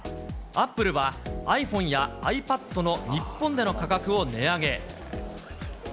アップルはｉＰｈｏｎｅやｉＰａｄの日本での価格を値上げ。